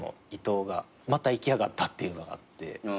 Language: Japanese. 伊藤がまたいきやがったっていうのがあって。